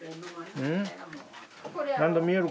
うん。